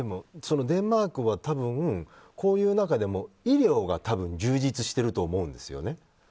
デンマークは多分こういう中でも医療が充実してると思うんですよ。